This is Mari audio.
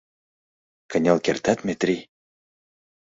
Кынел кертат, Метрий?